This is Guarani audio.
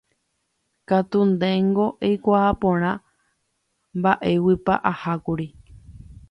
katu ndéngo eikuaa porã mba'éguipa ahákuri.